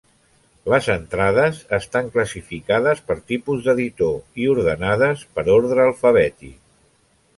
Les entrades estan classificades per tipus d'editor i ordenades per ordre alfabètic.